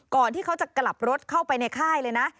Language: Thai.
ที่เขาจะกลับรถเข้าไปในค่ายเลยนะ